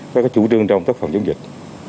các chủ trương trong phòng chống dịch